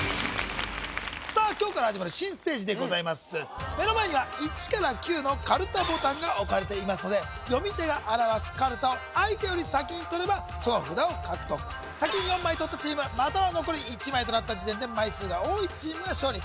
教養カルタ目の前には１から９のカルタボタンが置かれていますので読み手が表すカルタを相手より先にとればその札を獲得先に４枚とったチームまたは残り１枚となった時点で枚数が多いチームが勝利